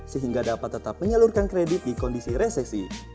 sehingga dapat tetap menyalurkan kredit di kondisi resesi